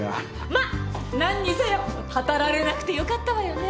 まっ何にせよたたられなくてよかったわよね。